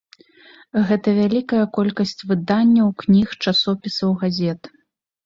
Гэта вялікая колькасць выданняў, кніг, часопісаў, газет.